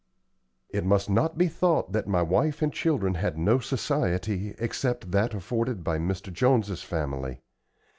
It must not be thought that my wife and children had no society except that afforded by Mr. Jones's family.